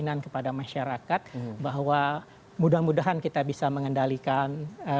kenangan kepada masyarakat bahwa mudah mudahan kita bisa mengendalikan